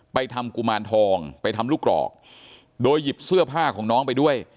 ทำกุมารทองไปทำลูกกรอกโดยหยิบเสื้อผ้าของน้องไปด้วย